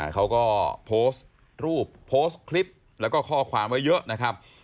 เขาก็โพสต์รูปโพสต์คลิปแล้วก็ข้อความไว้เยอะนะครับ